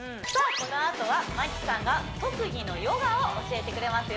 このあとは麻希さんが特技のヨガを教えてくれますよ